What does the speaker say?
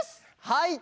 はい！